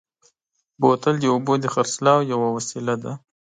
بوتل د اوبو د خرڅلاو یوه وسیله ده.